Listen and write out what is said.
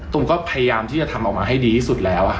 ก็พยายามที่จะทำออกมาให้ดีที่สุดแล้ว